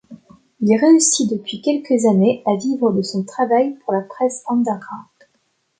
Il réussit depuis quelques années à vivre de son travail pour la presse underground.